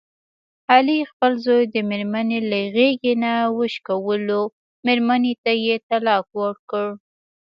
علي خپل زوی د مېرمني له غېږې نه وشکولو، مېرمنې ته یې طلاق ورکړ.